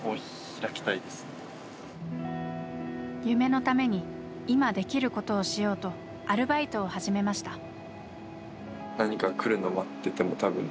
夢のために今できることをしようとアルバイトを始めました。